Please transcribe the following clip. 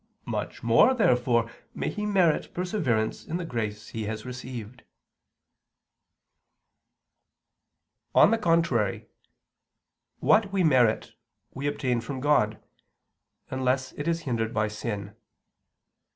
Much more, therefore, may he merit perseverance in the grace he has already. On the contrary, What we merit, we obtain from God, unless it is hindered by sin.